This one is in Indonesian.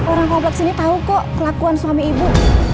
orang kabrak sini tau kok kelakuan suami ibu